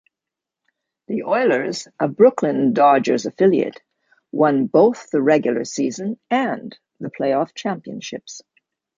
The Oilers, a Brooklyn Dodgers affiliate, won both the regular-season and playoff championships.